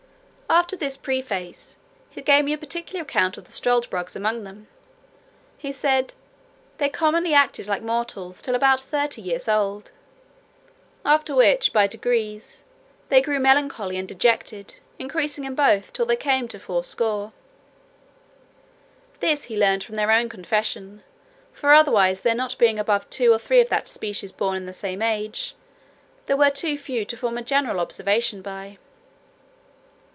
After this preface, he gave me a particular account of the struldbrugs among them. He said, "they commonly acted like mortals till about thirty years old; after which, by degrees, they grew melancholy and dejected, increasing in both till they came to fourscore. This he learned from their own confession: for otherwise, there not being above two or three of that species born in an age, they were too few to form a general observation by.